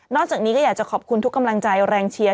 จากนี้ก็อยากจะขอบคุณทุกกำลังใจแรงเชียร์